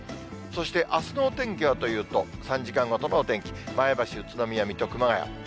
そしてあすのお天気はというと、３時間ごとのお天気、前橋、宇都宮、水戸、熊谷。